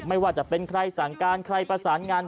ไม่ว่าจะเป็นใครสั่งการใครประสานงาน